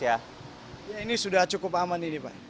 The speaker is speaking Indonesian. ini sudah cukup aman ini pak